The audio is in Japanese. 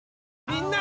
みんな！